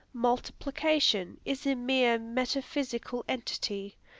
Multiplication is a mere metaphysical entity.